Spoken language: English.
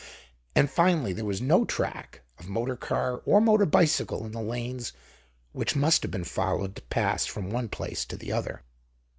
And, finally, there was no track of motor car or motor bicycle in the lanes which must have been followed to pass from one place to the other.